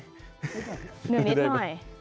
เหนื่อยนิดหน่อย